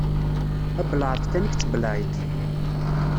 D abelεeṭ kan i yettbelεiṭ.